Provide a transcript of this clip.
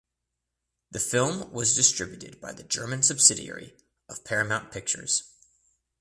The film was distributed by the German subsidiary of Paramount Pictures.